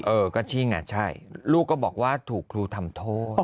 เออก็จริงอ่ะใช่ลูกก็บอกว่าถูกครูทำโทษ